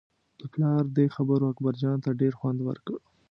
د پلار دې خبرو اکبرجان ته ډېر خوند ورکړ.